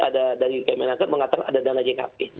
ada dari kemenaker mengatakan ada dana jkp